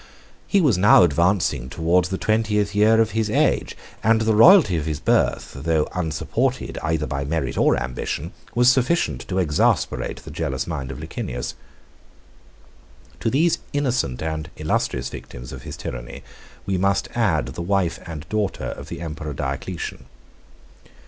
He was now advancing towards the twentieth year of his age, and the royalty of his birth, though unsupported either by merit or ambition, was sufficient to exasperate the jealous mind of Licinius. 80 To these innocent and illustrious victims of his tyranny, we must add the wife and daughter of the emperor Diocletian.